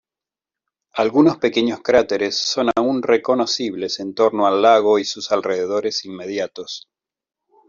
Algunos pequeños cráteres son aún reconocibles en torno al lago y sus alrededores inmediatos.